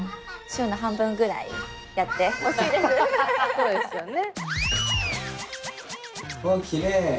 そうですよね。